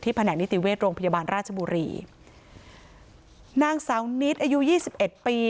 แผนกนิติเวชโรงพยาบาลราชบุรีนางสาวนิดอายุยี่สิบเอ็ดปี